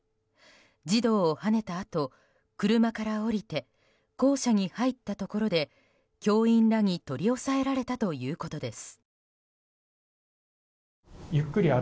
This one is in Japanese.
児童をはねたあと、車から降りて校舎に入ったところで教員らに取り押さえられたということです。